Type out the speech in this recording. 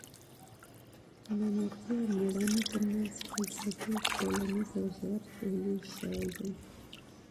نامېړتیا او مېړانې ترمنځ فلسفي، ټولنیز او ژور تحلیل شوی دی.